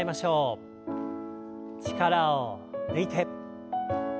力を抜いて。